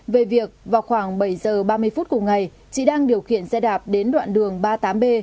về việc vào khoảng bảy giờ ba mươi phút cùng ngày chị đang điều khiển xe đạp đến đoạn đường ba mươi tám b